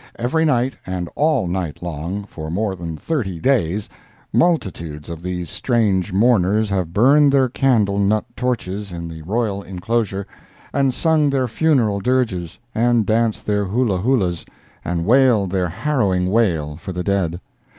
Every night, and all night long, for more than thirty days, multitudes of these strange mourners have burned their candle nut torches in the royal inclosure, and sung their funeral dirges, and danced their hulahulas, and wailed their harrowing wail for the dead.